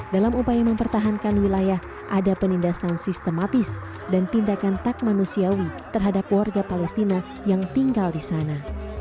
dalam upaya mempertahankan wilayah ada penindasan sistematis dan tindakan tak manusiawi terhadap warga palestina yang tinggal di sana